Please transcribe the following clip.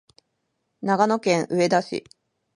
長野県上田市